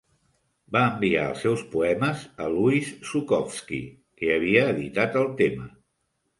Va enviar els seus poemes a Louis Zukofsky, que havia editat el tema.